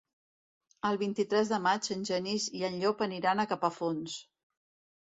El vint-i-tres de maig en Genís i en Llop aniran a Capafonts.